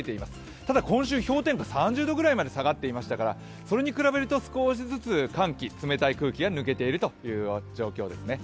ただ今週、氷点下３０度ぐらいまで下がっていましたからそれに比べると少しずつ寒気、冷たい空気が抜けているという状況ですね。